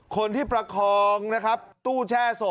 คนที่ประคองนะครับตู้แช่ศพ